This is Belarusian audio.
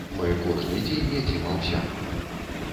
Мы кожны дзень ядзім аўсянку.